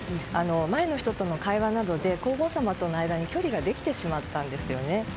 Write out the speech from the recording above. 前の人との会話などで皇后さまとの間に距離ができてしまったんですよね。